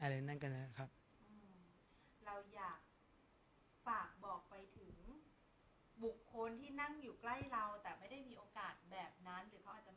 อยากบอกไปถึงบุคคลที่นั่งอยู่ใกล้เราแต่ไม่ได้มีโอกาสแบบนั้น